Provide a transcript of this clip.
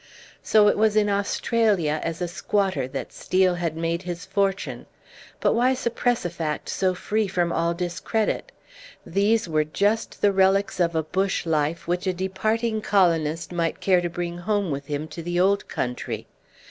So it was in Australia as a squatter that Steel had made his fortune! But why suppress a fact so free from all discredit? These were just the relics of a bush life which a departing colonist might care to bring home with him to the old country.